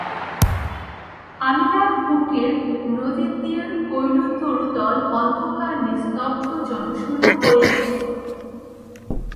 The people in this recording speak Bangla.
আমিনার কুটির, নদীতীর, কৈলুতরুতল অন্ধকার, নিস্তব্ধ, জনশূন্য হইয়া গেল।